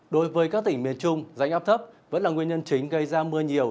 đối với các tỉnh miền trung rãnh áp thấp vẫn là nguyên nhân chính gây ra mưa nhiều